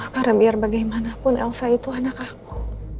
karena biar bagaimanapun elsa itu anak aku